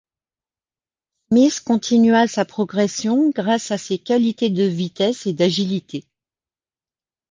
Smith continua sa progression, grâce à ses qualités de vitesse et d'agilité.